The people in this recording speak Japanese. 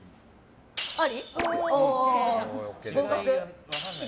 あり？